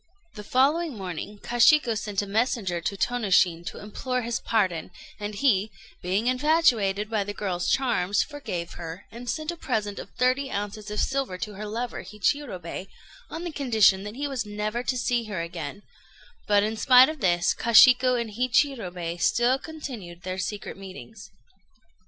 The following morning Kashiku sent a messenger to Tônoshin to implore his pardon; and he, being infatuated by the girl's charms, forgave her, and sent a present of thirty ounces of silver to her lover, Hichirobei, on the condition that he was never to see her again; but, in spite of this, Kashiku and Hichirobei still continued their secret meetings.